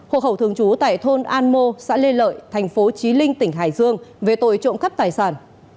hộ khẩu thường trú tại thôn an mô xã lê lợi thành phố trí linh tỉnh hải dương về tội trộm cắp tài sản